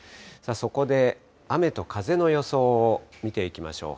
そこで雨と風の予想を見ていきましょう。